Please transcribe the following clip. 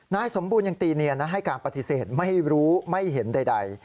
นายสมบูรณ์ยังตีเนียนให้การปฏิเสธไม่รู้ไม่เห็นใด